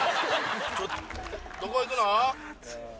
どこ行くの？